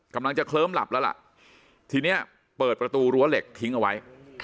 กำลังจะเคลิ้มหลับแล้วล่ะทีนี้เปิดประตูรั้วเหล็กทิ้งเอาไว้